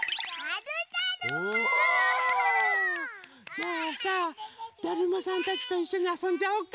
じゃあさだるまさんたちといっしょにあそんじゃおうか。